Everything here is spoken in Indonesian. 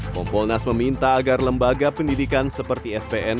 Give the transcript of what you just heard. kompolnas meminta agar lembaga pendidikan seperti spn